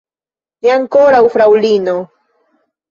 Ne ankoraŭ, fraŭlino.